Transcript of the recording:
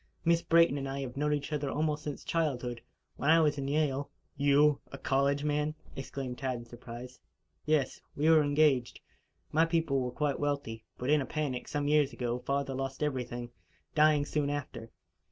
Miss Brayton and I have known each other almost since childhood. When I was in Yale " "You a college man!" exclaimed Tad in surprise. "Yes. We were engaged. My people were quite wealthy; but, in a panic, some years ago, father lost everything, dying soon after.